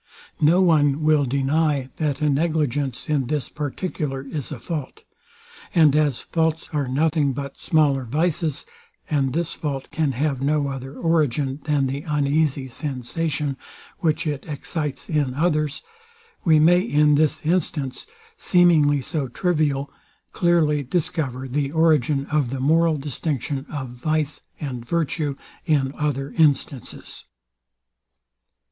No one will deny, that a negligence in this particular is a fault; and as faults are nothing but smaller vices, and this fault can have no other origin than the uneasy sensation, which it excites in others, we may in this instance, seemingly so trivial, dearly discover the origin of the moral distinction of vice and virtue in other instances.